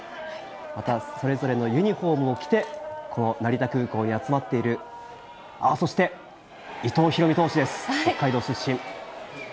またそれぞれのユニホームを着て、この成田空港に集まっている、あっ、そして、伊藤大海投手です、北海道出身。